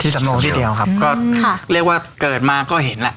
ที่สำรงที่เดียวครับอืมค่ะเรียกว่าเกิดมาก็เห็นล่ะ